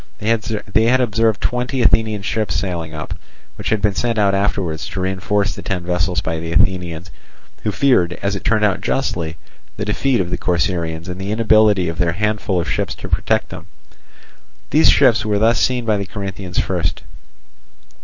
They had observed twenty Athenian ships sailing up, which had been sent out afterwards to reinforce the ten vessels by the Athenians, who feared, as it turned out justly, the defeat of the Corcyraeans and the inability of their handful of ships to protect them. These ships were thus seen by the Corinthians first.